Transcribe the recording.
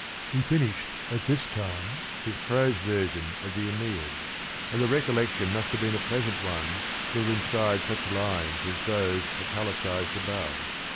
He finished at this time his prose version of the Aejzeid."^ And the recollection must have been a pleasant one to have inspired such lines as those italicised above.